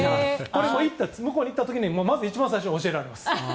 向こうに行った時にまず一番最初に言われます。